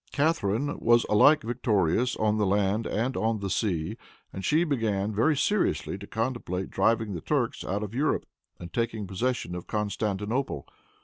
Catharine was alike victorious on the land and on the sea; and she began very seriously to contemplate driving the Turks out of Europe and taking possession of Constantinople.